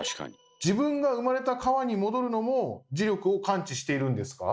自分が生まれた川に戻るのも磁力を感知しているんですか？